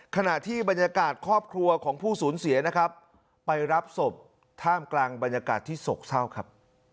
ขณะที่บรรยากาศครอบครัวของผู้สูญเสียนะครับไปรับศพท่ามกลางบรรยากาศที่โศกเศร้าครับ